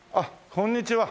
こんにちは。